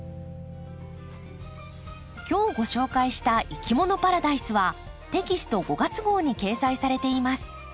今日ご紹介した「いきものパラダイス」はテキスト５月号に掲載されています。